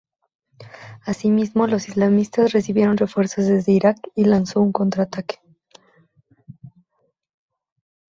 Asimismo, los islamistas recibieron refuerzos desde Irak y lanzó un contraataque.